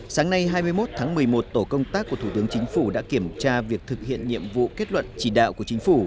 sáng nay hai mươi một tháng một mươi một tổ công tác của thủ tướng chính phủ đã kiểm tra việc thực hiện nhiệm vụ kết luận chỉ đạo của chính phủ